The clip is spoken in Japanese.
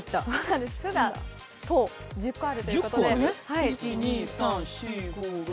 「フ」が１０個あるということで。